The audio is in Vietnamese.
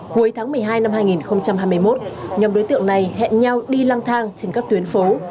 cuối tháng một mươi hai năm hai nghìn hai mươi một nhóm đối tượng này hẹn nhau đi lăng thang trên các tuyến phố